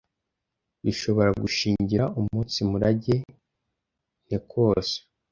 Bishobora gushingira umunsi murage ne kose.